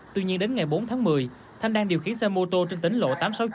tuy nhiên đến ngày bốn tháng một mươi thanh đang điều khiển xe mô tô trên tính lộ tám trăm sáu mươi chín